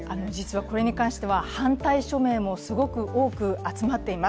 これに関しては反対署名もすごく多く集まっています。